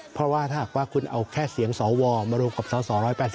เพราะว่าถ้าหากว่าคุณเอาแค่เสียงสวมารวมกับสส๑๘๐